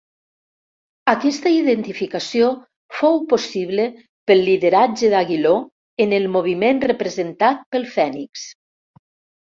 Aquesta identificació fou possible pel lideratge d'Aguiló en el moviment representat pel fènix.